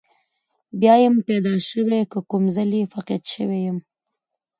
بیا یم پیدا شوی که کوم ځلې فقید شوی یم.